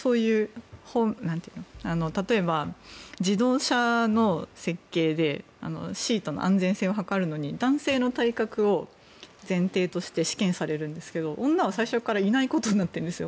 例えば、自動車の設計でシートの安全性を測るのに男性の体格を前提として試験されるんですけど女は最初からいないことになってるんです。